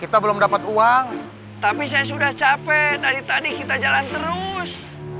kita belum dapat uang tapi saya sudah capek dari tadi kita jalan terus